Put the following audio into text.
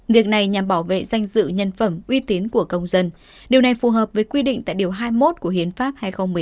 việc này nhằm bảo vệ danh dự nhân phẩm uy tín của công dân điều này phù hợp với quy định tại điều hai mươi một của hiến pháp hai nghìn một mươi tám